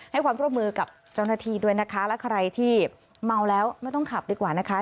ให้ความร่วมมือกับเจ้าหน้าที่ด้วยนะคะและใครที่เมาแล้วไม่ต้องขับดีกว่านะคะ